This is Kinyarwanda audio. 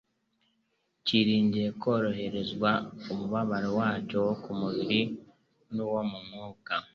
cyiringiye kworoherezwa umubabaro wacyo wo ku mubiri n'uwo mu by'umwuka.